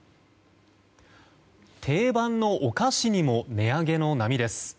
定番のお菓子にも値上げの波です。